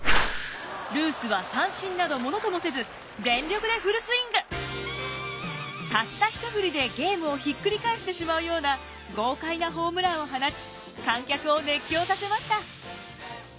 ルースは三振など物ともせず全力でたったひとふりでゲームをひっくり返してしまうような豪快なホームランを放ち観客を熱狂させました。